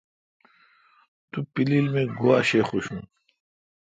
تو پیلیل می گوا شہ حوشون۔